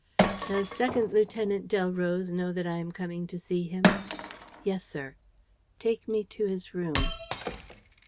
"Does Second Lieutenant Delroze know that I am coming to see him?" "Yes, sir." "Take me to his room."